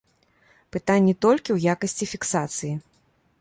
Пытанні толькі ў якасці фіксацыі.